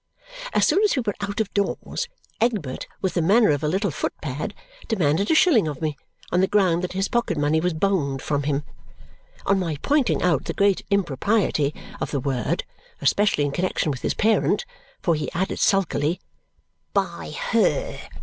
As soon as we were out of doors, Egbert, with the manner of a little footpad, demanded a shilling of me on the ground that his pocket money was "boned" from him. On my pointing out the great impropriety of the word, especially in connexion with his parent (for he added sulkily "By her!")